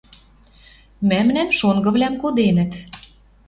Мӓмнӓм, шонгывлӓм, коденӹт